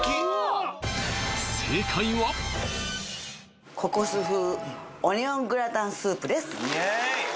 正解はココス風オニオングラタンスープです